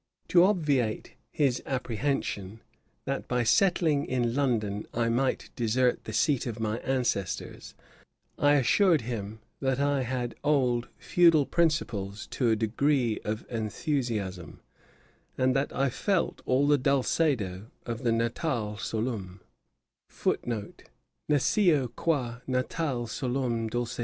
To obviate his apprehension, that by settling in London I might desert the seat of my ancestors, I assured him, that I had old feudal principles to a degree of enthusiasm; and that I felt all the dulcedo of the natale solum.